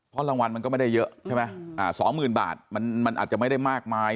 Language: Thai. เพราะรางวัลมันก็ไม่ได้เยอะใช่ไหมสองหมื่นบาทมันอาจจะไม่ได้มากมาย